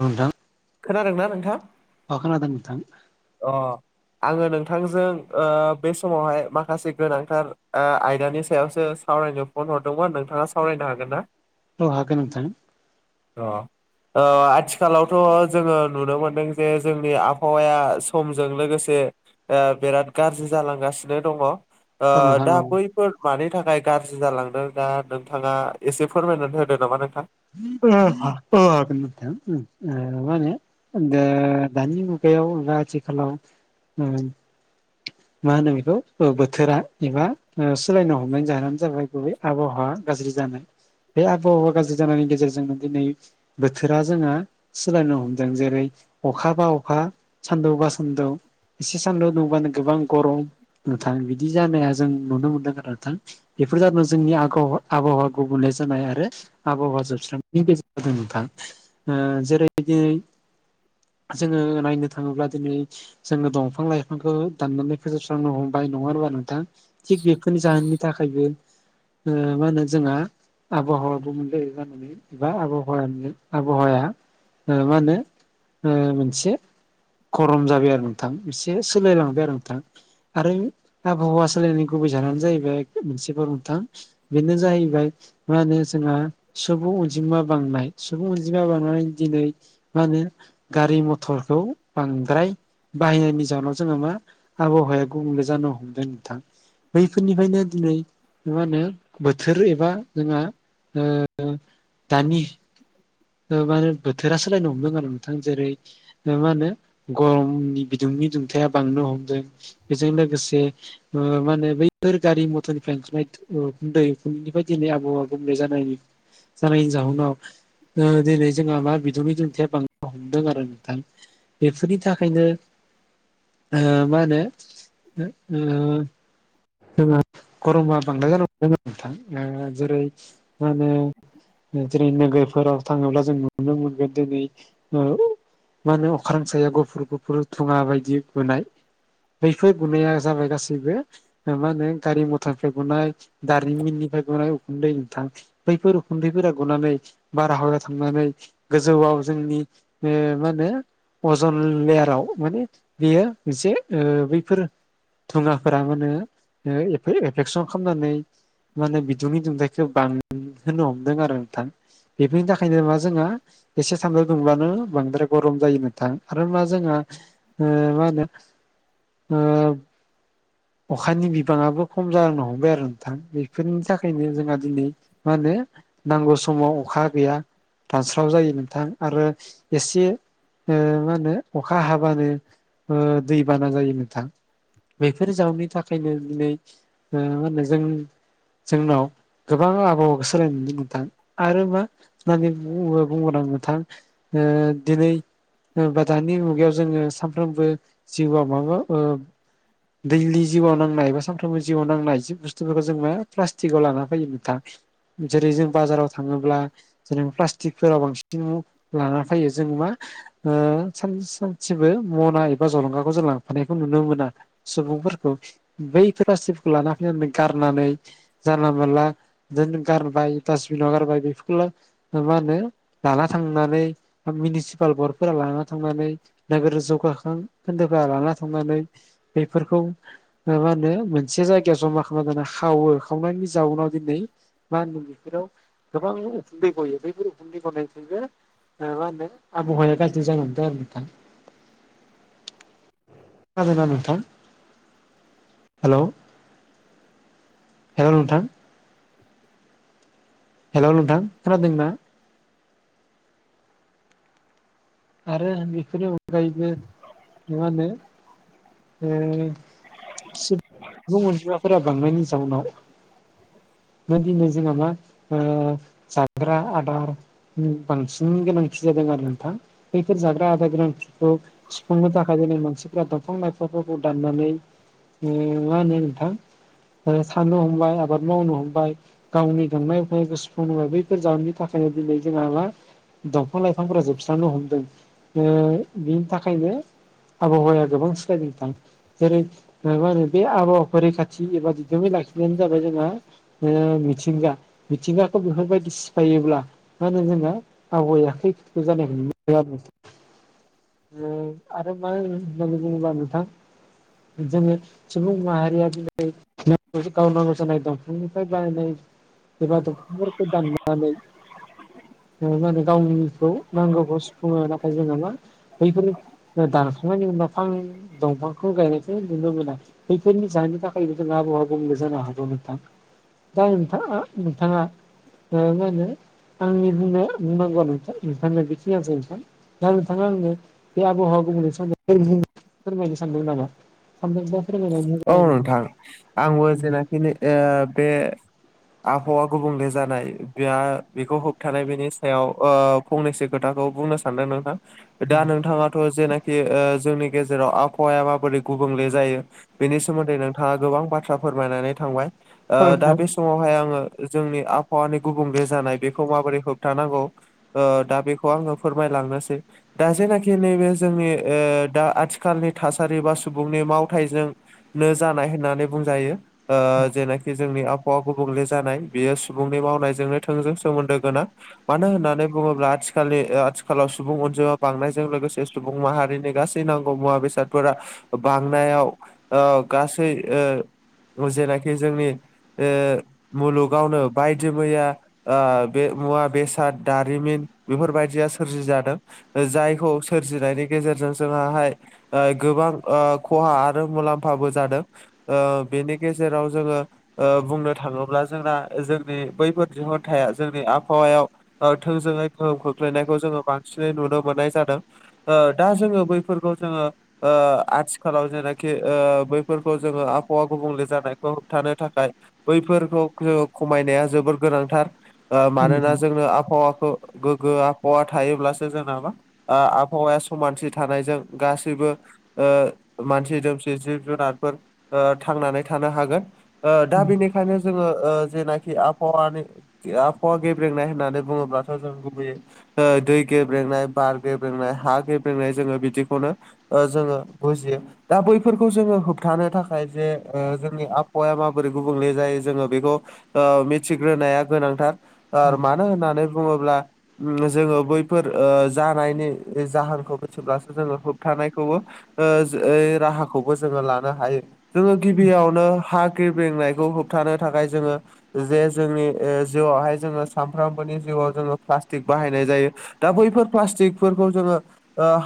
औ नोंथां खोनादों ना नोंथाङा? अ खोनादों नोंथां। अ आङो नोंथांजों ओ बे समावहाय माखासे गोनांथार ओ आयदानि सायावसो सावरायनो फन हरदोंमोन नोंथाङा सावरायनो हागोन ना? औ हागोन नोंथां। अ अ आथिखालावथ' जोङो नुनो मोनदों जे जोंनि आबहावाया समजों लोगोसे ओ बिराद गाज्रि जालांगासिनो दङ। ओ औ नोंथां दा औ बैफोर मानि थाखाय गाज्रि जालांदों दा नोंथाङा एसे फोरमायनानै होदो नामा नोंथां? [unintelligible] दानि मुगायाव ओ आथिखालाव ओ मा होनो बेखौ ओ बोथोरा एबा ओ सोलायनो हमनायनि जाहोनानो जाबाय गुबै आबहावा गाज्रि जानाय बे आबहावा गाज्रि जानायनि गेजेरजोंनो दिनै बोथोरा जोङो सोलायनो हमदों जेरै अखा बा अखा सान्दौबा सान्दौ एसे सान्दुं दुबानो गोबां गरम गोथां बिदि जानाया जों नुनो मोनदों आरो नोंथां बेफोर जादों जोंनि आब आबहावा गुबुंले जानाय आरो आबहावा जोबस्रांनायनि गेजेराव ज नोंथां जेरैदि जोङो नायनो थाङोब्ला दिनै जोङो दंफां लाइफांखौ दाननानै फोजोबस्रांनो हमबाय नङा होनबा नोंथां थिग बेफोरनि जाहोननि थाखायबो मा होनो जोंहा आबहावाबो मोनलायो जानानै एबा आब आबहावाया मा होनो मोनसे गरम जाबाय आरो नोंथां एसे सोलायलांबाय आरो नोंथां आरो आबहावा सालायनायनि गुबै जाहानो जाहैबाय मोनसेफोर नोंथां बिनो जाहैबाय मा होनो जोंहा सुबुं अनजिमा बांनाय सुबुं अनजिमा बांनानै दिनै मा होनो गारि मथरखौ बांद्राय बाहायनायनि जाउनाव उनाव जोङो मा आबहावाया गुबुंले जानो हमदों नोंथां बैफोरनिफ्रायनो दिनै मा होनो बोथोर एबा जोंहा आ दानि माने बोथोरा सोलायनो हमदों आरो नोंथां जेरै मा होनो गरमनि बिदुंनि दुंथाया बांनो हमदों बेजों लोगोसे ओ मा होनो बैफोर गारि मटरनिफ्राय गनाय उखुन्दै उखुन्दैनिफ्राय दिनै आबहावा गुबुंले जानायनि जानायनि जाहोनाव दिनै जोंहा मा बिदुंनि दन्थिया बांद हमदों आरो नोंथां बेफोरनि थाखायनो आ माने ओ जा गरमा बांद्राय जान नोंथां जेरै मा होनो जेरै नोगोरफोराव थाङोब्ला जों नुनो मोनगोन दिनै मा होनो अख्रां साया गुफुर गुफुर थुङा बायदि बुनाय बैफोर गुनाया जाबाय गासैबो मा होनो गारि मथरफोर गुनाय दारिमिननिफ्राय गनाय उखुन्दै नोंथां बैफोर उखुन्दैफोरा गनानै बारा हरा थांनानै गोजौआव जोंनि मा होनो अजन लेयाराव माने बेयो मोनसे बैफोर थुङाफोरा माने एफेकसन खालामनानै माने बिदुंनि दुंथाइखौ बांहोनो हमदों आरो नोंथां बेफोरनि थाखाय ओंखायनो मा जोंहा एसे सानदु दुंब्लानो बांद्राय गरम जायो नोंथां आरो मा जोंहा ओ मा होनो ओ अखानि बिबाङाबो खम जालांनो हमबाय आरो नोंथां बेफोरनि थाखायनो जोंहा दिनै मा होनो नांगौ समाव अखा गैया दानस्राव जायो नोंथां आरो एसे मा होनो अखा हाबानो ओ दैबाना जायो नोंथां बेफोर जउनि थाखायनो दिनै मा होनो जों जोंनाव गोबां आबावाखौ सोलायनो मोनदों नोंथां आरो मा होननानै बुङो बुंगोन आं नोंथां ओ दिनै बा दानि मुगायाव जोङो सानफ्रोमबो जिउआव माबा दैलि जिउआव नांनाय एबा सानफ्रोमबो जिउआव नांनाय जि बुस्थुफोरखौ जों म प्लास्टिकआव लाना फैयो नोंथां जेरै जों बाजाराव थाङोब्ला जेन प्लास्टिकफोराव बांसिन लाना फैयो जों मा सान सानसेबो मना एबा जलंगाखौ जों लांफानायखौ नुनो मोना सुबुंफोरखौ बै फ्लासटिकफोरखौ लाना फैनानै गारनानै जानला मोनला बिदिनो गारबाय दासबिनाव गारबाय बेफोरखौल मा होनो लाना थांनानै मिउनिसिपाल बर्डफोरा लाना थांनानै नोगोर जौगाखां खोन्दो लाना थांनानै बेफोरखौ म मा होनो मोनसे जायगायाव जमा खा खा खावो खावनायनि जाउनाव दिनै मा होनदों बेफोराव गोबां गयो बै गुरुफोरनि गनायनिखबो ओ मा होनो आबहावाया गाज्रि जानानैांदों आरो नोंथां। खोनादोना नोंथां हेल' हेल' नोंथां हेल' नोंथां खोनादों ना? आरो बेफोरनि अनगायैबो मा होनो ओ अनजिमाफोरा बांनायनिस जाउनाव दिनै जोंआ मा जाग्रा आदार बांसिन गोनांथि जादों आरो नोंथां। खैफेर जाग्रा आदार गोनांथिफोरखौ सुफुंनो थाखाय दिनै मानसिफ्रा दंफां लाइफांफोरखौ दाननानै मा होनो नोंथां साननो हमबाय आबाद मावनो हमबाय। गावनि गांनाय उखैनायफोरखो सुफुंनो ओ बैफोर जाहोननि थाखायनो दिनै जोंहा मा? दंफां लाइफांफोरा जोबस्रांनो हमदों। ओ बिनि थाखायनो आबहावाया गोबां सोलायदों नोंथां। जेरै मा होनो बे आबहावाखौ रैखाथि एबा दिदोमै लाखिनायानो जाबाय जोंहा मिथिंगा मिथिंगाखौ बेफोरबायदि सिफायोब्ला मा होनो जोंना आबहावाया आखाइ खैफोद जानायखौ नुनो मोनदों आरो नोंथां। ओ आरो मा होनो होननानै बुङोब्ला नोंथां जोङो सुबुं माहारिया दिनै गावनो नांगौ जानाय दंफांनिफ्राय बानायनाय एबा दंफांफोरखौ दाननानै मा होनो गावनिखौ नांगौखौ सुफुङो नाथाय जोंना मा बैफोर दानखांनायनि ज दाफां दंफांखौ गायनायखौ नुनो मोना। बेफोरनि जाहोननि थाखायनो जोंहा आबहावा गुबुंले जानो हमो नोंथां। दा नोंथाङा नोंथाङा ओ मा होनो? आंनो बुंनागौवा बुंनाया बेखिनियावनो सै दा नोंथाङा आंनो बे आबहावा गुबुंलेनि सोमोन्दै फोरमायनो सानदों नामा? औ नोंथां [unintelligible] आंबो जेनाखिनि ओ बे आबहावा गुबुंले जानाय बे बेखौ होबथानाय बेनि सायाव ओ फंनैसो खोथाखौ बुंनो सानदों नोंथां। दा नोंथाङाथ' जेनाखि ओ जोंनि गेजेराव आबहावाया माबोरै गुबुंले जायो बेनि सोमोन्दै नोंथाङा गोबां बाथ्रा फोरमायनानै थांबाय औ ओ दा नोंथां बे स समावहाय आङो जोंनि आबहावानि गुबुंले जानाय बेखौ माबोरै होबथानांगौ ओ दा बेखौ आङो फोरमायलांनोसै। दा जेनाखि नैबे जोंनि ओ दा आथिखालनि थासारि बा सुबुंनि मावथाइजों नो जानाय होननानै बुंजायो ओ जेनाखि जोंनि आबहावा गुबुंले जानाय बियो सुबुंनि मावनायजोंनो थोंजों सोमोन्दो गोनां। मानो होननानै बुङोब्ला आथिखालनि ओ आथिखालाव सुबुं अनजिमा बांनायजों लोगोसे सुबुं माहारिनि गासै नांगौ मुवा बेसादफोरा बांनायाव ओ गासै ओ जेनाखि जोंनि ओ मुलुगावनो बायदि मैया ओ बे मुवा बेसाद दारिमिन बेफोरबायदिया सोरजि जादों। जायखौ सोरजिनायनि गेजेरजों जोंहाहाय ओ गोबां ओ खहा आरो मुलाम्फाबो जादों। ओ बेनि गेजेराव जोङो ओ बुंनो थाङोब्ला जोंना जोंनि बैफोर दिहुनथाया जोंनि आबहावायाव ओ थोंजोङै गोहोम खोख्लैनायखौ जोङो बांसिनै नुनो मोननाय जादों। ओ दा जोङो बैफोरखौ जोङो ओ आथिखालाव जेनाखि ओ बैफोरखौ जोङो आबहावा गुबुंले जानायखौ होबथानो थाखाय बैफोरखौ जोङो खमायनाया जोबोर गोनांथार ओ औ मानोना नोंथां औ नोंथां औ नोंथां औ नोंथां औ जोंनो आबहावाखौ गोग्गो आबहावा थायोब्लासो जोंना मा ओ आबहावाया समानथि थानायजों गासैबो ओ मानसि दोमसि जिब जुनारफोर ओ थांनानै थानो हागोन दा बेनि- ओंखायनो जोङो ओ जेनाखि आबहावानि आबहावा गेब्रेंनाय होननानै बुङोब्लाथ' जों गुबैयै ओ दै गेब्रेंनाय बार गेब्रेंनाय हा गेब्रेंनाय जोङो बिदिखौनो ओ जोङो बुजियो दा बै फोरखौ जोङो होबथानो थाखाय जे ओ जोंनि आबहावाया माबोरै गुबुंले जायो जोङो बेखौ ओ मिथिग्रोनाया गोनांथार मानो होननानै बुङोब्ला उम जोङो बैफोर ओ जानायनि जाहोनखौ मिथिब्लासो जोङो होबथानायखौबो ओ राहा खौबो जोङो लानो हायो जोङो गिबियावनो हाखिर बेंनायखौ होबथानो थाखाय जोङो जे जोंनि जिउआवहाय जोङो सामफ्रामबोनि जिउआव जोङो प्लास्टिक बाहायनाय जायो दा बैफोर प्लास्टिकफोरखौ जोङो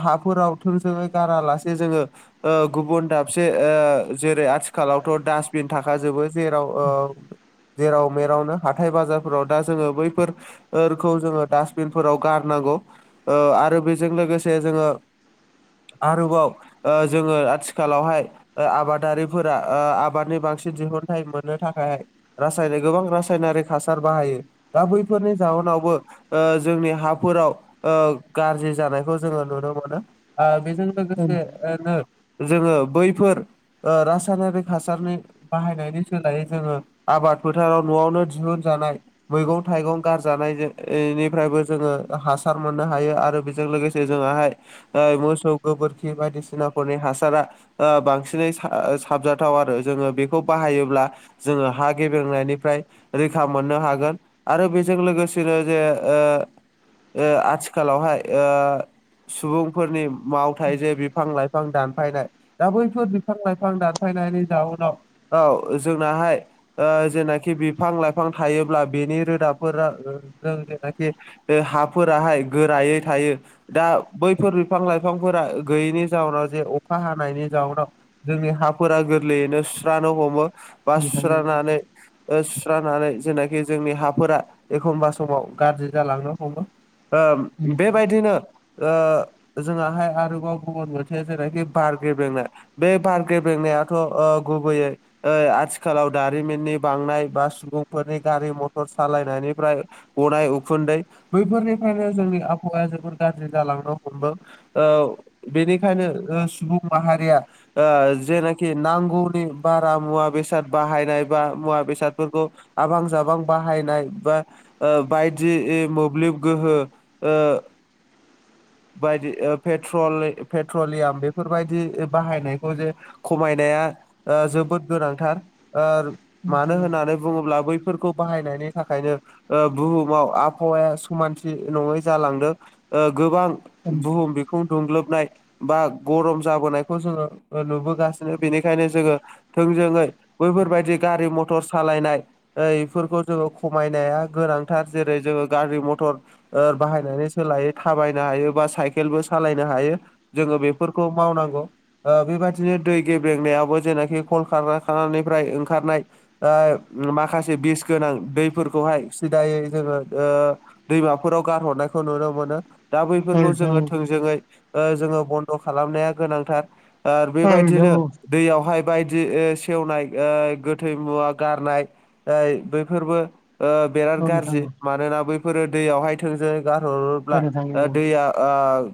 हाफोराव थोंजोङै गारालासे जोङो गुबुन दाबसे जेरै आथिखालावथ' डासटबिन थाखाजोबो जेराव जेराव मेरावनो हाथाय बाजारफोराव दा जोङो बैफोर खौ जोङो डासटबिनफोराव गारनांगौ आरो बेजों लोगोसे जोङो आरोबाव जोङो आथिखालावहाय ओ आबादारिफोरा ओ आबादनि बांसिन दिहुनथायाइ मोननो थाखायहाय रासायनिक ओ गोबां रासायनारि हासार बाहायो दा बैफोरनि जावनावबो ओ जोंनि हाफोराव ओ गारजि जानायखौ जोङो नुनो मोनो ओ बेजों लोगोसेनो जोङो बैफोर ओ रासायनारिक हासारनि बाहायनायनि सोलायै जोङो आबाद फोथाराव न'आवनो दिहुनजानाय मैगं थाइगं गारजानाय निफ्रायबो जोङो हासार मोननो हायो आरो बेजों लोगोसे जे जोङाहाय ओ मोसौ गोबोरखि बायदिसिनाफोरनि हासा- रा ओ बांसिनै सा ओ साबजाथाव आरो जोङो बेखौ बाहायोब्ला जोङो हा गेबेंनायनिफ्राय रैखा मोननो हागोन आरो बेजों लोगोसेनो जे आथिखालावहाय सुबुंफोरनि मावथाय जे बिफां लाइफां दानफायनाय दा बैफोर बिफां लाइफां दानफायनायनि जाउनाव औ जोंनाहाय जेनाखि बिफां लाइफां थायोब्ला बेनि रोदाफोरा जों जेनाखि बे हाफोराहाय गोरायै थायो दा बैफोर बिफां लाइफांफोरा गैयैनि जाहोनाव जे अखा हानायनि जाउनाव जोंनि हाफोरा गोरलैयैनो सुस्रानो हमो बा सुस्रानानै सुस्रानानै जेनाखि जोंनि हाफोरा एखनबा समाव गाज्रि जालांनो हमो बेबायदिनो जोंहाय आरोबाव गुबुन मोनसे जेरैखि बार गेबें बेंनाय बे बार गेबेंनायाथ' गुबैयै ओ आथिखालाव दारिमिननि बांनाय बा सुबुंफोरनि गारि मथर सालायनायनिफ्राय गनाय उखुन्दै बैफोरनिफ्रायनो जोंनि आबहावाया जोबोद गाज्रि जालांनो हमदों बेनिखायनो सुबुं माहारिया जेनाखि नांगौनि बारा मुवा बेसाद बाहायनाय बा मुवा बेसादफोरखौ आबां जाबां बाहायनाय बा बायदि मोब्लिब गोहो बायदि पेट्रल पेट्रलियाम बे बेफोरबायदि बाहायनायखौ जे खमायनाया जोबोद गोनांथार मानो होननानै बुङोब्ला बैफोरखौ बाहायनायनि थाखायनो बुहुमाव आबहावाया समानथि नङै जालांदों गोबां बुहुम बिखुं दुंग्लोबनाय बा गरम जाबोनायखौ जोङो नुबोगासिनो बेनिखायनो जोङो थोंजोङै बैफोरबायदि गारि मथर सालायनाय बेफोरखौ जोङो खमायनाया गोनांथार जेरै जोङो गारि मथर बाहायनानि सोलायै थाबायनो हायो बा साइकेलबो सालायनो हायो जोङो बे फोरखौ मावनांगौ बेबायादिनो दै गेब्रेंनायाबो जेनाखि खल कानखाना खारनायनिफ्राय ओंखारनाय माखासे बिस गोनां दैफोरखौहाय सिदायै जोङो दैमाफोराव गारहरनायखौ नुनो मोनो दा बैफोरखौ जोङो थोंजोङै जोङो बन्द' खालामनाया गोनांथार आरो औ नोंथां बेबायदिनो औ दैयावहाय बायदि सेवनाय गोथै मुवा गारनाय बैफोरबो बिराद औ नोंथां औ गाज्रि मानोना बैफोरो दैयावहाय थोंजो गारहर औ अब्ला नोंथां औ दैया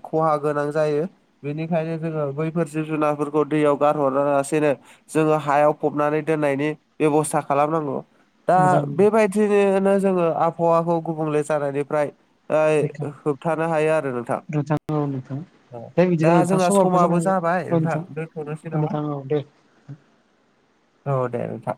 खहा गोनां जायो बेनिखायनो जोङो बैफोर जिब जुनारफोरखौ दैयाव गारहरा लासेनो जोङो हायाव फबनानै दोननायनि बेब'स्था खालामनांगौ दा नोंथां बेबायदिनो जोङो आबहावाखौ गुबुंले जानायनिफ्राय इ होबथानो हायो आरो नोंथां औ नोंथां दे दा बिदिब्ला नोंथां जोंहा समाबोथ' जाना समाबो फैबाय जाबाय औ नोंथां औ दोन्थ'नोसै नामा नोंथां औ दे औ दे नोंथां